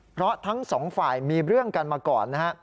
เพราะทั้งสองฝ่ายมีเรื่องกันมาก่อนนะฮะ